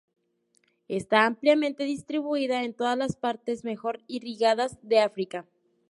Está ampliamente distribuida en todas las partes mejor irrigadas de África.